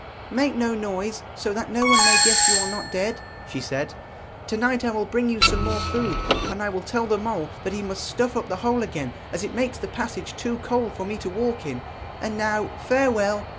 'Make no noise, so that no one may guess you are not dead,' she said. 'To night I will bring you some more food, and I will tell the mole that he must stuff up the hole again, as it makes the passage too cold for me to walk in. And now farewell.'